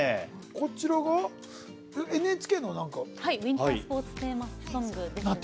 こちらが、ＮＨＫのウインタースポーツテーマソング。